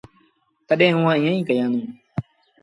تڏهيݩٚ اُئآݩٚ ايٚئيٚنٚ ئيٚ ڪيآݩدوݩٚ